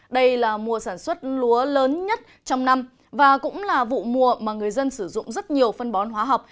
đây là mùa sản xuất lúa lớn nhất trong năm và cũng là vụ mùa mà người dân sử dụng rất nhiều phân bón hóa học